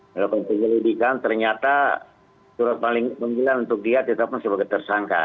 melakukan penyelidikan ternyata surat panggilan untuk dia tetap sebagai tersangka